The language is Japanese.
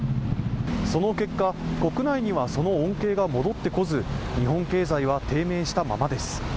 その結果、国内にはその恩恵が戻ってこず日本経済は低迷したままです。